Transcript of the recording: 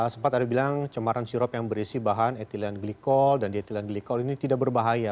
sempat ada bilang cemaran sirup yang berisi bahan ethylene glycol dan di ethylene glycol ini tidak berbahaya